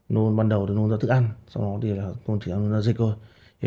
nôn ban đầu thì nôn ra thức ăn sau đó thì nôn ra dịch thôi